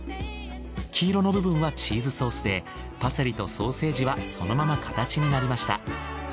黄色の部分はチーズソースでパセリとソーセージはそのまま形になりました。